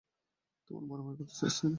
তোরা মারামারি করতে চাস, তাই না?